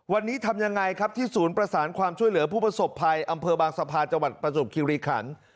วันนี้ทำยังไงครับที่ศูนย์ประสานความช่วยเหลือผู้ประสบภัยอำเภอบางสะพานจังหวัดประจวบคิวรีขัน